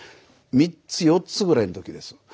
３つ４つぐらいの時です。